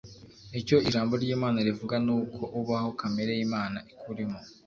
Icyo ijambo ryimana rivuga ni uko ubaho kamere yimana ikurimo